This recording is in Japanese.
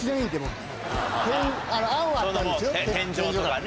天井とかね。